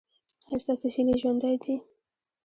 ایا ستاسو هیلې ژوندۍ دي؟